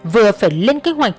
vừa phải lên kế hoạch